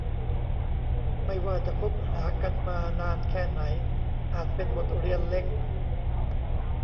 ไม่ว่าจะคบหากันมานานแค่ไหนอาจเป็นบทเรียนเล็ก